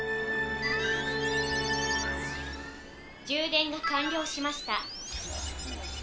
「充電が完了しました」。